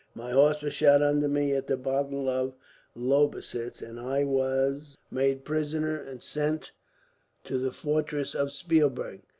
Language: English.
My horse was shot under me at the battle of Lobositz, and I was made prisoner and sent to the fortress of Spielberg.